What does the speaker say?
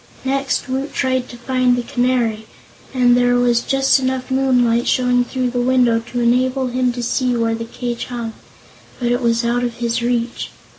Next, Woot tried to find the Canary, and there was just enough moonlight showing through the window to enable him to see where the cage hung; but it was out of his reach.